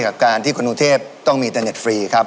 กับการที่คนกรุงเทพต้องมีอินเตอร์เน็ตฟรีครับ